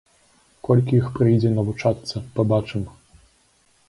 Колькі іх прыйдзе навучацца, пабачым.